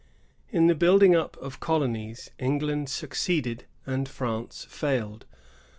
In the building up of colonies, England succeeded and France failed.